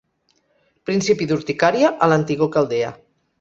Principi d'urticària a l'antigor caldea.